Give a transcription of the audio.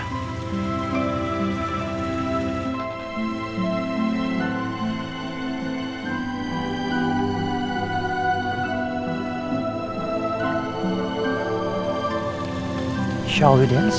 kita akan berdance